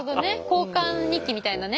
交換日記みたいなね。